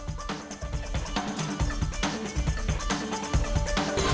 terima kasih pak halim